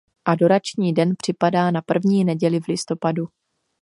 Adorační den připadá na první neděli v listopadu.